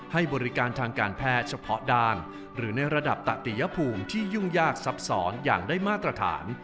ให้บริการทางการแพทย์เฉพาะด้านหรือในระดับตะติยภูมิที่ยุ่งยากซับซ้อนอย่างได้มาตรฐาน